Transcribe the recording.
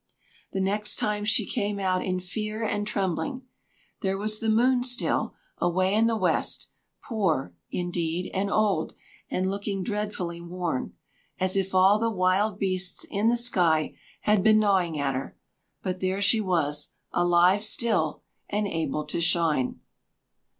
The next time she came out in fear and trembling. There was the moon still! away in the west poor, indeed, and old, and looking dreadfully worn, as if all the wild beasts in the sky had been gnawing at her; but there she was, alive still, and able to shine.